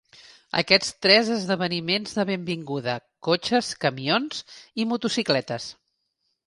Aquests tres esdeveniments de benvinguda cotxes, camions, i motocicletes.